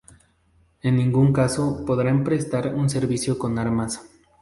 En ningún caso podrán prestar un servicio con armas".